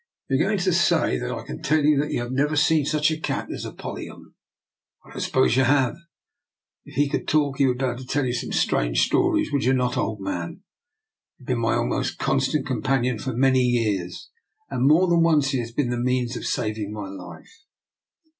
" You are going to say, I can tell, that you have never seen such a cat as Apollyon. I don't suppose you have. If he could talk, he would be able to tell some strange stories; would you not, old man? He has been my almost constant companion for many years, and more than once he has been the means of saving my life."